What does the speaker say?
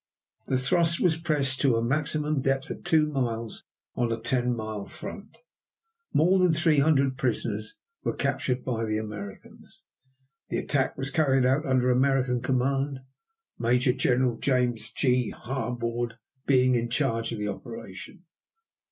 The thrust was pressed to a maximum depth of two miles on a ten mile front. More than 300 prisoners were captured by the Americans. The attack was carried out under American command, Major General James G. Harbord being in charge of the operation.